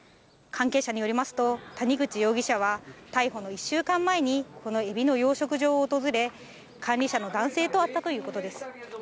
関係者によりますと、谷口容疑者は逮捕の１週間前に、このエビの養殖場を訪れ、管理者の男性と会ったということです。